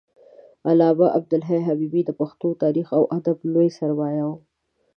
علامه عبدالحی حبیبي د پښتون تاریخ او ادب لوی سرمایه و